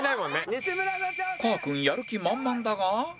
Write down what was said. かーくんやる気満々だが